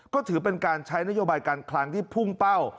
ก็ถือเป็นการใช้นโยบายการคลังที่พุ่งเป้า